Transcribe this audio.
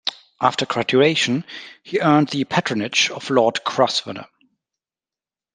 After graduation, he earned the patronage of Lord Grosvenor.